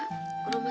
kalau masih muar